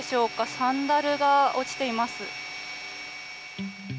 サンダルが落ちています。